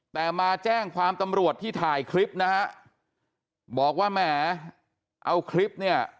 แต่มาแจ้งความตำรวจที่ถ่ายคลิปนะฮะบอกว่าแหมเอาคลิปเนี่ย